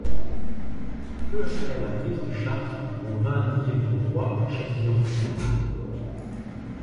Peu après la prise de Chartres, on vint dire au roi que Châtillon était mort.